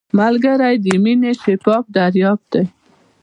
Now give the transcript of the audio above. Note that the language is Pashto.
ملګری د مینې شفاف دریاب دی